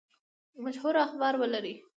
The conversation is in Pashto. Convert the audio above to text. مشهور اخبار ولري.